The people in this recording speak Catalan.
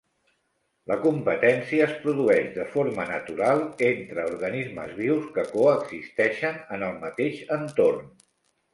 La competència es produeix de forma natural entre organismes vius que coexisteixen en el mateix entorn.